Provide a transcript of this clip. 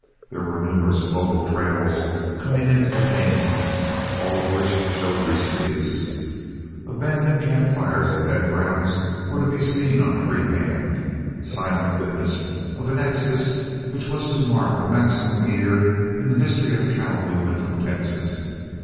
There were numerous local trails coming into the main one, all of which showed recent use. Abandoned camp fires and bed grounds were to be seen on every hand, silent witnesses of an exodus which was to mark the maximum year in the history of the cattle movement from Texas.